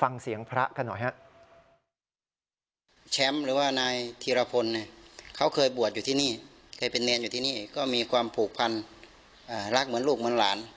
ฟังเสียงพระกันหน่อยฮะ